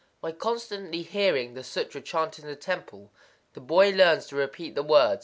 By constantly hearing the sutra chanted in the temple, the boy learns to repeat the words.